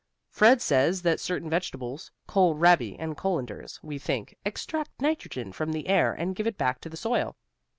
Fred says that certain vegetables kohl rabi and colanders, we think extract nitrogen from the air and give it back to the soil.